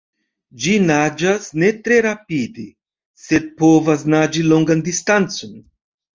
Ĝi naĝas ne tre rapide, sed povas naĝi longan distancon.